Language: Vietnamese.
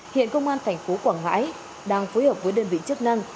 hiện công an thành phố quảng ngãi đang phối hợp với đơn vị chức năng